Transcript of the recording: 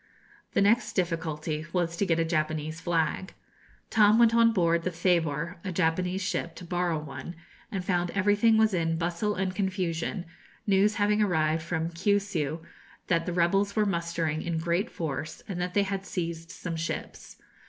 The next difficulty was to get a Japanese flag. Tom went on board the 'Thabor,' a Japanese ship, to borrow one, and found everything was in bustle and confusion, news having arrived from Kiusiu that the rebels were mustering in great force, and that they had seized some ships.